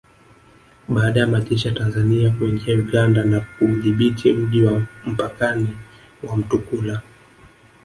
Baada ya majeshi ya Tanzania kuingia Uganda na kuudhibiti mji wa mpakani wa Mtukula